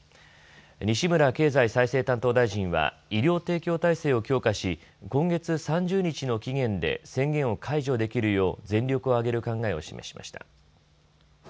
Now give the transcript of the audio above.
西村経済再生担当大臣は医療提供体制を強化し今月３０日の期限で宣言を解除できるよう全力を挙げる考えを示しました。